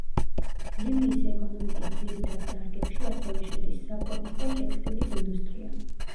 ლიბიის ეკონომიკის ძირითად დარგებში ასევე შედის საკვების და ტექსტილის ინდუსტრია.